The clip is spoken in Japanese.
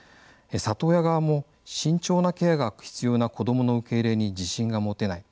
里親側も慎重なケアが必要な子どもの受け入れに自信が持てない。